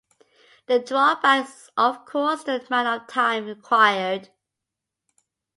The drawback is of course the amount of time required.